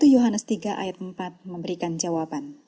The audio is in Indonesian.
satu yohanes tiga ayat empat memberikan jawaban